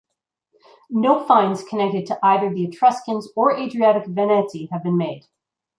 No finds connected to either the Etruscans or Adriatic Veneti have been made.